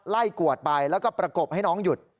กวดไปแล้วก็ประกบให้น้องหยุด